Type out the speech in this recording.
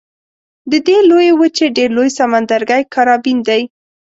د دې لویې وچې ډېر لوی سمندرګی کارابین دی.